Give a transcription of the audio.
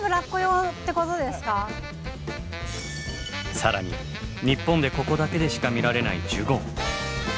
更に日本でここだけでしか見られないジュゴン。